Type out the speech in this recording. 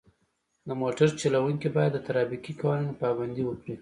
د موټر چلوونکي باید د ترافیکي قوانینو پابندي وکړي.